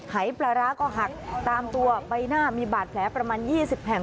หายปลาร้าก็หักตามตัวใบหน้ามีบาดแผลประมาณ๒๐แห่ง